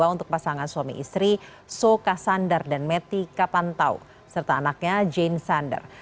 untuk pasangan suami istri soe kasandar dan meti kapantau serta anaknya jane sander